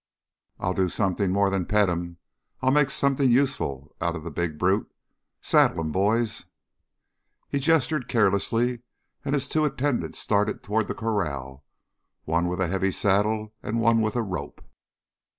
"I'll do something more than pet him. Ill make something useful out of the big brute. Saddle him, boys!" He gestured carelessly, and his two attendants started toward the corral, one with a heavy saddle and one with a rope.